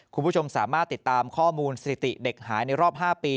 คุณผู้ชมสามารถติดตามข้อมูลสถิติเด็กหายในรอบ๕ปี